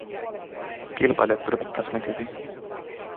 Kilpailijat tulivat taas näkyviin.